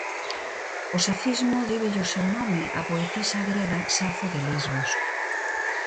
O safismo débelle o seu nome á poetisa grega Safo de Lesbos.